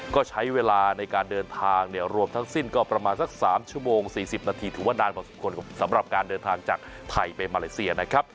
ก็ใช้เวลาในการเดินทางเนี่ยรวมทั้งสิ้นก็ประมาณสัก๓ชั่วโมง๔๐นาทีถือว่านานพอสมควรสำหรับการเดินทางจากไทยไปมาเลเซียนะครับ